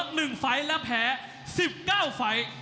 เสมอ๑ไฟและแพ้๑๙ไฟ